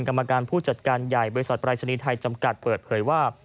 กรรมการผู้จัดการใหญ่บริษัทปรายศนีย์ไทยจำกัดเปิดเผยว่า